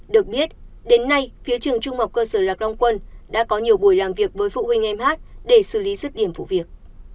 được biết đến nay phía trường trung học cơ sở lạc long quân đã có nhiều buổi làm việc với phụ huynh em hát để xử lý rứt điểm vụ việc